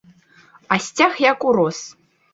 А сцяг як урос.